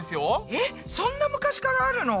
えっそんな昔からあるの？